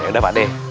yaudah pak adi